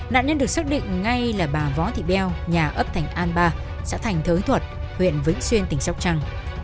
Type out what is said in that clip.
nạn nhân được xác định ngay là bà võ thị beo nhà ấp thành an ba xã thành thới thuật huyện vĩnh xuyên tỉnh sóc trăng